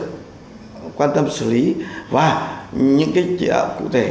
được quan tâm xử lý và những cái chỉ đạo cụ thể